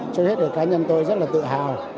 trước hết cá nhân tôi rất tự hào